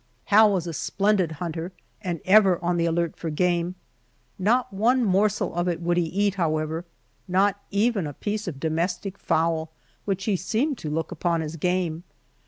Hal was a splendid hunter, and ever on the alert for game. Not one morsel of it would he eat, however, not even a piece of domestic fowl, which he seemed to look upon as game.